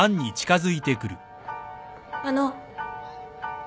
あの。